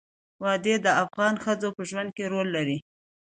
وادي د افغان ښځو په ژوند کې رول لري.